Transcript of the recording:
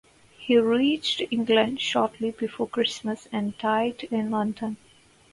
He reached England shortly before Christmas and died in London.